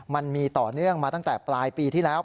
มันมีต่อเนื่องมาตั้งแต่ปลายปีที่แล้ว